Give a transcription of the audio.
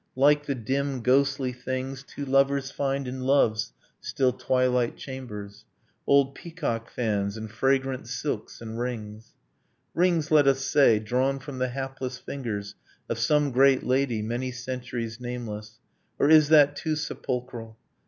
Like the dim ghostly things Two lovers find in love's still twilight chambers ... Old peacock fans, and fragrant silks, and rings ... 'Rings, let us say, drawn from the hapless fingers Of some great lady, many centuries nameless, Or is that too sepulchral?